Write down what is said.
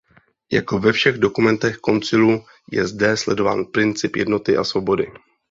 Jako ve všech dokumentech koncilu je zde sledován princip jednoty a svobody.